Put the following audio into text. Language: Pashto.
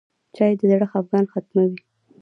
چای د زړه خفګان ختموي.